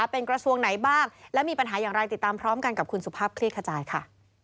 เป็นกระทรวงไหนบ้างและมีปัญหาอย่างไรติดตามพร้อมกันกับคุณสุภาพคลี่ขจายค่ะ